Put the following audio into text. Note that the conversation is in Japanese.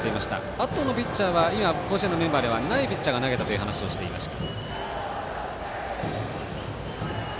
あとのピッチャーは甲子園のメンバーではないピッチャーが投げたという話をしていました。